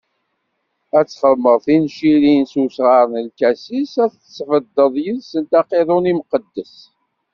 Ad txedmeḍ tincirin s usɣar n lkasis, ad tesbeddeḍ yis-sent aqiḍun imqeddes.